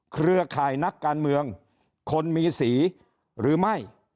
เครือข่ายนักการเมืองคนมีสีหรือไม่